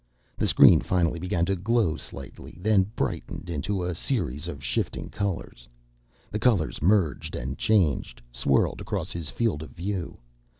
The screen finally began to glow slightly, then brightened into a series of shifting colors. The colors merged and changed, swirled across his field of view.